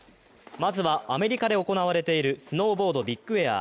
まずはアメリカで行われているスノーボード・ビッグエア。